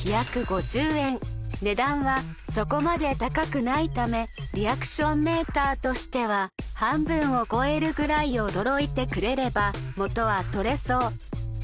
値段はそこまで高くないためリアクションメーターとしては半分を超えるくらい驚いてくれれば元は取れそう。